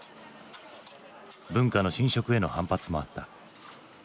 文化の侵食への反発もあった。